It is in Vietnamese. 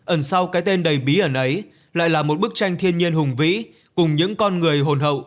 ẩn sau cái tên đầy bí ẩn ấy lại là một bức tranh thiên nhiên hùng vĩ cùng những con người hồn hậu